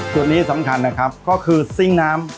จุดนี้สำคัญนะครับก็คือซิงค์น้ำ